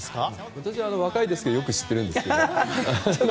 私は若いですけどよく知ってますよ？